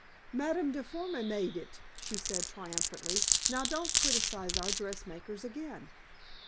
"Madame Deforme made it," she said triumphantly. "Now don't criticize our dressmakers again."